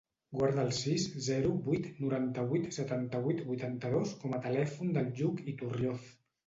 Guarda el sis, zero, vuit, noranta-vuit, setanta-vuit, vuitanta-dos com a telèfon del Lluc Iturrioz.